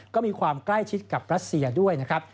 ก็มีความใกล้ชิดกับรัสเซียด้วยนะครับ